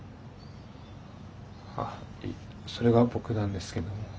あそれが僕なんですけども。